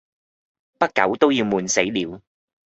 不久都要悶死了，